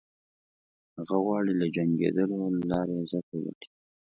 هغه غواړي له جنګېدلو له لارې عزت وګټي.